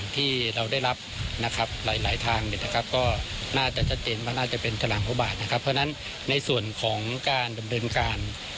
เพราะฉะนั้นในส่วนของการดำเนินการ